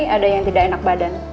ada yang tidak enak badan